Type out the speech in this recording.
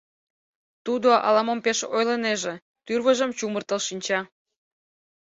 Тудо ала-мом пеш ойлынеже, тӱрвыжым чумыртыл шинча.